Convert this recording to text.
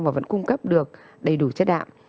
và vẫn cung cấp được đầy đủ chất đạm